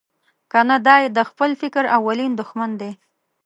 کنه دای د خپل فکر اولین دوښمن دی.